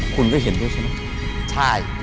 คุณก็เห็นด้วยใช่ไหมใช่